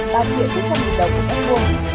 ba triệu bốn trăm nghìn đồng một mét vuông